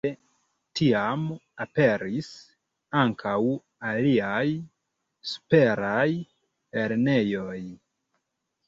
Ekde tiam aperis ankaŭ aliaj superaj lernejoj.